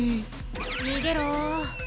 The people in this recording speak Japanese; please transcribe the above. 逃げろ。